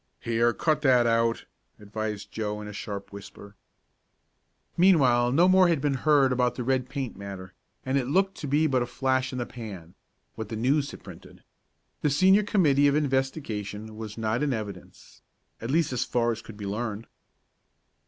"Here! Cut that out," advised Joe, in a sharp whisper. Meanwhile no more had been heard about the red paint matter, and it looked to be but a flash in the pan what the News had printed. The Senior committee of investigation was not in evidence at least as far as could be learned.